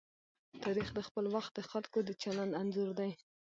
تاریخ د خپل وخت د خلکو د چلند انځور دی.